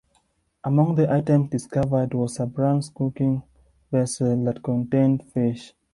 Among the items discovered was a bronze cooking vessel that contained fish.